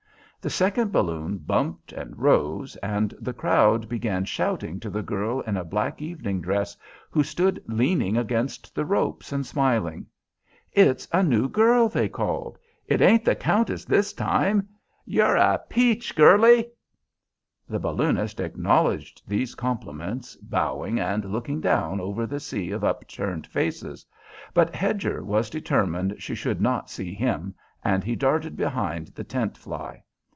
The second balloon bumped and rose, and the crowd began shouting to the girl in a black evening dress who stood leaning against the ropes and smiling. "It's a new girl," they called. "It ain't the Countess this time. You're a peach, girlie!" The balloonist acknowledged these compliments, bowing and looking down over the sea of upturned faces, but Hedger was determined she should not see him, and he darted behind the tent fly.